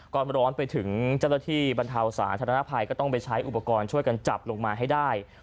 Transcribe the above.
ร้อนไปถึงเจ้าหน้าที่บรรเทาสาธารณภัยก็ต้องไปใช้อุปกรณ์ช่วยกันจับลงมาให้ได้